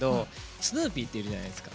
スヌーピーっているじゃないですか。